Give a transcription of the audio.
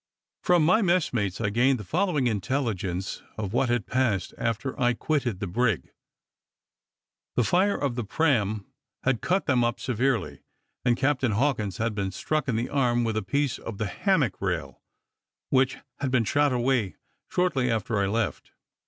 From my messmates I gained the following intelligence of what had passed after I had quitted the brig. The fire of the praam had cut them up severely, and Captain Hawkins had been struck in the arm with a piece of the hammock rail, which had been shot away shortly after I left.